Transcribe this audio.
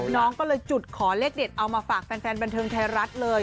น้องก็เลยจุดขอเลขเด็ดเอามาฝากแฟนบันเทิงไทยรัฐเลย